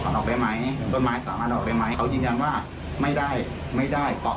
จะเข้ามาดูพอบอกจะเข้ามาดูเสร็จ